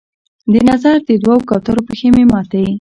د نظر د دوو کوترو پښې مې ماتي